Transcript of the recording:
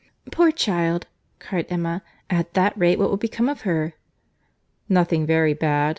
"Poor child!" cried Emma; "at that rate, what will become of her?" "Nothing very bad.